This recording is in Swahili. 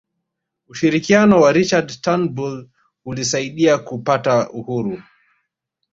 ushirikiano wa richard turnbull ulisaidia kupata uhuru